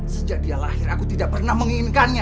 sejak dia lahir aku tidak pernah menginginkannya